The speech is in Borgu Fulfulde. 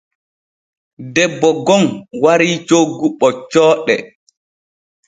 Debbo gom warii coggu ɓoccooɗe.